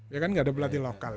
ya kan gak ada pelatih lokal